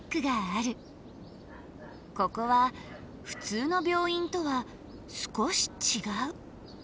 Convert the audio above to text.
ここはふつうの病院とは少し違う。